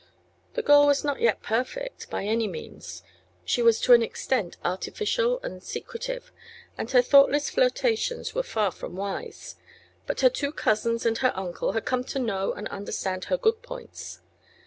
The girl was not yet perfect, by any means; she was to an extent artificial and secretive, and her thoughtless flirtations were far from wise; but her two cousins and her uncle had come to know and understand her good points.